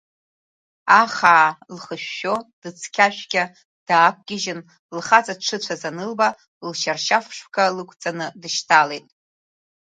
Ахаа лыхшәшәо, дыцқьа-шәқьа даақәгьежьын, лхаҵа дшыцәаз анылба, лшьаршьаф ԥшқа лықәҵаны, дышьҭалеит.